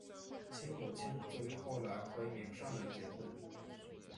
其母亲则于后来和一名商人结婚。